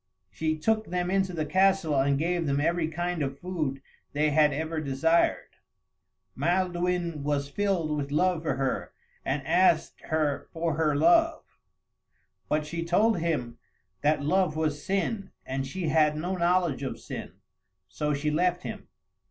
She took them into the castle and gave them every kind of food they had ever desired. Maelduin was filled with love for her and asked her for her love; but she told him that love was sin and she had no knowledge of sin; so she left him.